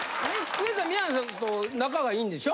・ウエンツは宮根さんと仲がいいんでしょ？